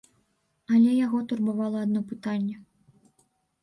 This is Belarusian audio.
Але яго турбавала адно пытанне.